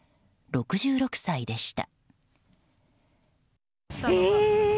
６６歳でした。